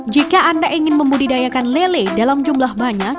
jika anda ingin membudidayakan lele dalam jumlah banyak